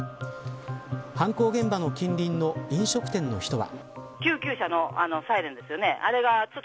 犯行現場の近隣の飲食店の人は。